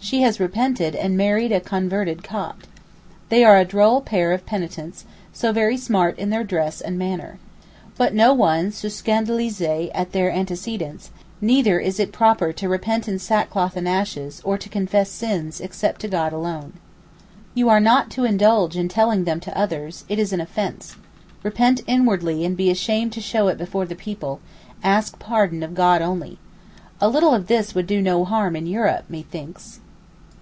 She has repented, and married a converted Copt. They are a droll pair of penitents, so very smart in their dress and manner. But no one se scandalise at their antecedents—neither is it proper to repent in sackcloth and ashes, or to confess sins, except to God alone. You are not to indulge in telling them to others; it is an offence. Repent inwardly, and be ashamed to show it before the people—ask pardon of God only. A little of this would do no harm in Europe, methinks.